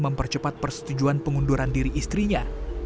mempercepat persetujuan pengunduran diri istrinya